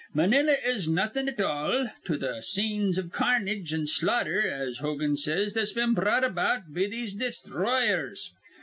Manila is nawthin' at all to th' scenes iv carnage an' slaughter, as Hogan says, that's been brought about be these desthroyers.